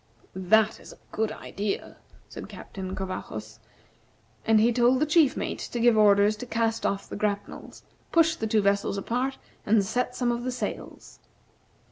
"That is a good idea," said Captain Covajos; and he told the chief mate to give orders to cast off the grapnels, push the two vessels apart, and set some of the sails.